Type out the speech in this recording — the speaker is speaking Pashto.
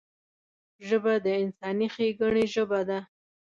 ژبه د انساني ښیګڼې ژبه ده